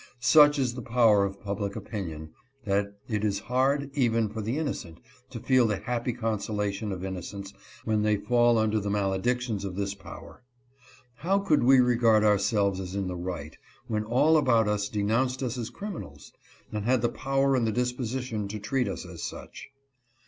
Such is the power of public opinion, that it is hard, even for the innocent, to feel the happy consolation of innocence when they fall under the maledictions of this power. How could we regard ourselves as in the right, when all about us denounced us as criminals, and had the power and the disposition to treat us as such.